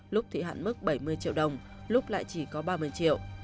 lúc thì hạn mức bảy mươi triệu đồng lúc lại chỉ có ba mươi triệu